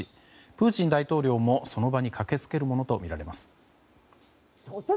プーチン大統領もその場に駆け付けるものとみられます。